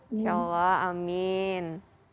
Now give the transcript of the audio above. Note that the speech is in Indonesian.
insya allah amin